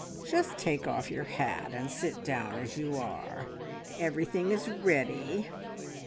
Just take off your hat, and sit down as you are. Everything is ready."